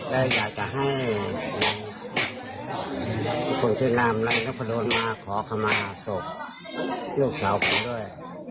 และอยากจะให้คนที่นามในนักภัณฑ์มาขอขมาศกลูกสาวผมด้วย